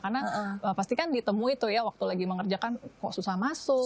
karena pasti kan ditemui tuh ya waktu lagi mengerjakan kok susah masuk